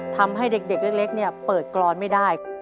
ทำให้เด็กเล็กเปิดกรอนไม่ได้